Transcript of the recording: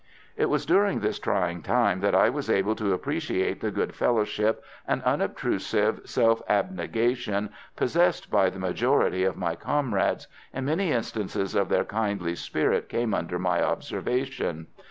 It was during this trying time that I was able to appreciate the good fellowship and unobtrusive self abnegation possessed by the majority of my comrades, and many instances of their kindly spirit came under my observation.